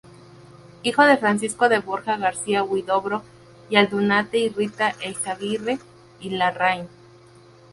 Hijo de Francisco de Borja García Huidobro y Aldunate y Rita Eyzaguirre y Larraín.